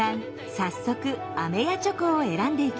早速あめやチョコを選んでいきます。